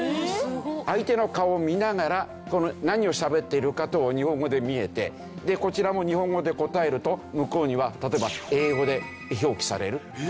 相手の顔を見ながら何をしゃべっているかと日本語で見えてでこちらも日本語で答えると向こうには例えば英語で表記されるという。